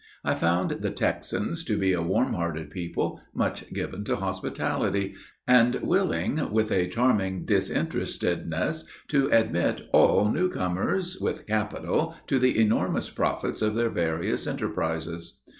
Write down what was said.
I found the Texans to be a warm hearted people, much given to hospitality, and willing, with a charming disinterestedness, to admit all new comers, with capital, to the enormous profits of their various enterprises.